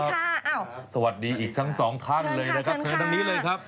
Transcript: สวัสดีอีกทั้งสองท่านเลยนะครับเชิญทั้งนี้เลยครับ